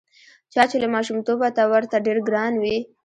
چا چې له ماشومتوبه ته ورته ډېر ګران وې.